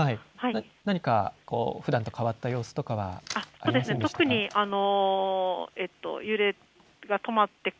何かふだんと変わった様子とかありませんでしたか。